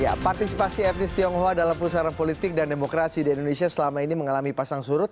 ya partisipasi etnis tionghoa dalam pusaran politik dan demokrasi di indonesia selama ini mengalami pasang surut